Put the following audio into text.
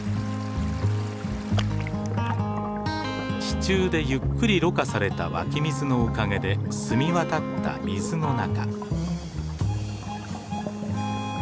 地中でゆっくりろ過された湧き水のおかげで澄み渡った水の中。